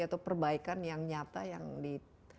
atau perbaikan yang nyata yang di